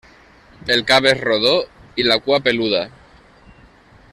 El cap és rodó i la cua peluda.